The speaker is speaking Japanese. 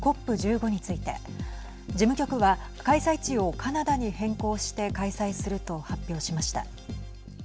ＣＯＰ１５について事務局は開催地をカナダに変更して開催すると発表しました。